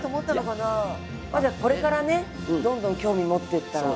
まあじゃあこれからねどんどん興味持ってったら。